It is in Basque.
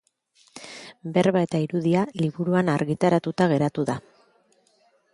Berba eta irudia liburuan argitaratuta geratu da.